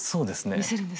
見せるんですね。